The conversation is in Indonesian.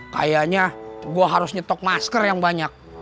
kayaknya gue harus nyetok masker yang banyak